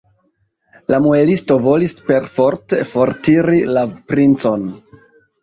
La muelisto volis perforte fortiri la princon.